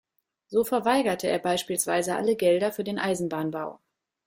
So verweigerte er beispielsweise alle Gelder für den Eisenbahnbau.